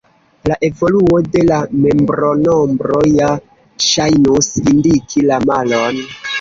La evoluo de la membronombro ja ŝajnus indiki la malon.